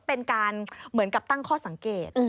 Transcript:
เป็นการเหมือนกับตั้งข้อสังเกต